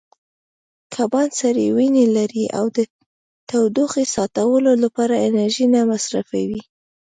کبان سړې وینې لري او د تودوخې ساتلو لپاره انرژي نه مصرفوي.